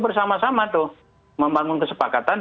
bersama sama tuh membangun kesepakatan